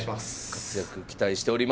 活躍期待しております。